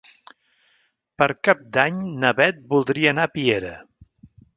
Per Cap d'Any na Beth voldria anar a Piera.